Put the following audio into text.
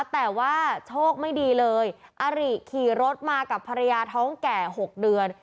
แต่ว่าโชคไม่ดีเลยอาริขี่รถมากับภรรยาท้องแก่๖เดือน